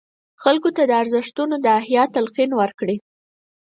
خلکو ته د ارزښتونو د احیا تلقین ورکړي.